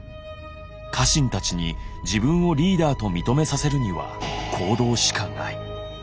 家臣たちに自分をリーダーと認めさせるには行動しかない。